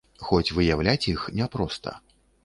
Хоць выяўляць іх няпроста.